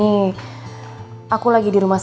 ada orang di depan